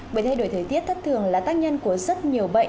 bởi thay đổi thời tiết thất thường là tác nhân của rất nhiều bệnh